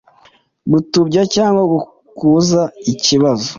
gutubya cyangwa gukuza ikibazo